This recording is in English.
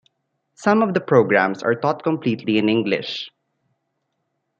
Some of the programmes are taught completely in English.